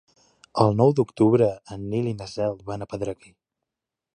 El nou d'octubre en Nil i na Cel van a Pedreguer.